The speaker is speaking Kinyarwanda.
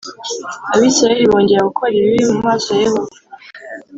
Abisirayeli bongera gukora ibibi mu maso ya Yehova